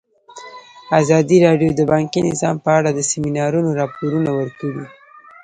ازادي راډیو د بانکي نظام په اړه د سیمینارونو راپورونه ورکړي.